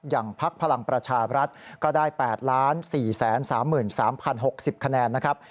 อย่างภักดิ์พลังประชารัฐก็ได้๘๔๓๓๐๖๐คะแนนนะครับ